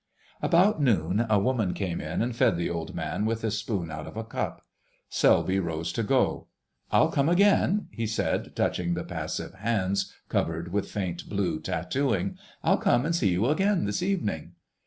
About noon a woman came in and fed the old man with a spoon out of a cup. Selby rose to go. "I'll come again," he said, touching the passive hands covered with faint blue tattooing. "I'll come and see you again this evening."